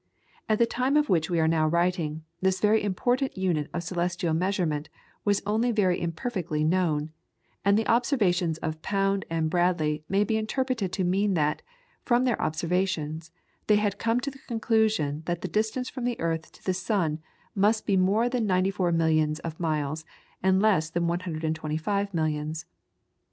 At the time of which we are now writing, this very important unit of celestial measurement was only very imperfectly known, and the observations of Pound and Bradley may be interpreted to mean that, from their observations, they had come to the conclusion that the distance from the earth to the sun must be more than 94 millions of miles, and less than 125 millions.